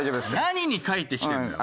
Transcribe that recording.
何に書いてきてるんだよ。